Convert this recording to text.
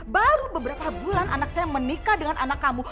baru beberapa bulan anak saya menikah dengan anak kamu